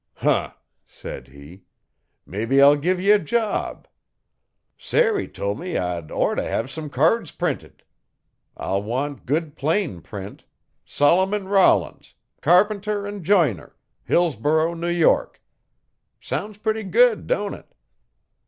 'Huh!' said he. 'Mebbe I'll give ye a job. Sairey tol' me I'd orter t' 'ave some cards printed. I'll want good plain print: Solomon Rollin, Cappenter 'n J'iner, Hillsborough, NY soun's putty good don't it.'